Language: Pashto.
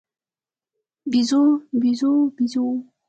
بیزو، بیزووې، بیزوو